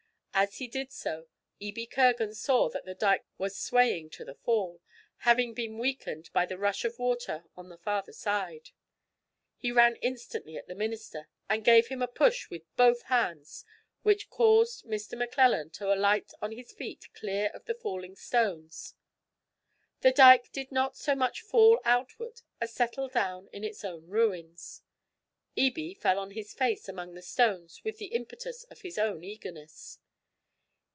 As he did so Ebie Kirgan saw that the dyke was swaying to the fall, having been weakened by the rush of water on the farther side. He ran instantly at the minister, and gave him a push with both hands which caused Mr. Maclellan to alight on his feet clear of the falling stones. The dyke did not so much fall outward as settle down on its own ruins. Ebie fell on his face among the stones with the impetus of his own eagerness.